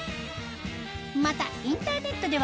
またインターネットでは